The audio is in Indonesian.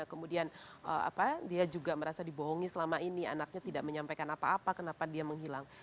kemudian dia juga merasa dibohongi selama ini anaknya tidak menyampaikan apa apa kenapa dia menghilang